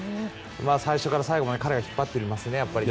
最初から最後まで彼が引っ張っていますね。